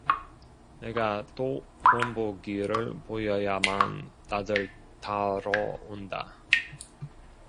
내가 또 본보기를 보여야만 다들 따러온다.